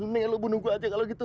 nih lo bunuh gue aja kalo gitu